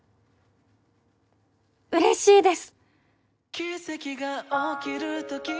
嬉しいです。